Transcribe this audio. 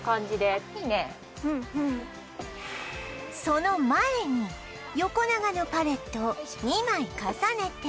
その前に横長のパレットを２枚重ねて